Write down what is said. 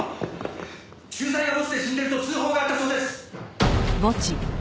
駐在が墓地で死んでると通報があったそうです。